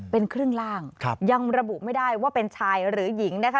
เป็นครึ่งล่างยังระบุไม่ได้ว่าเป็นชายหรือหญิงนะคะ